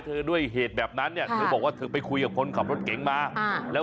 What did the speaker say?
เทจแบบนั้นเธอคลุยกับคนขับรถเก๋งมา